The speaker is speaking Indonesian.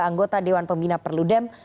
anggota dewan pembina perludem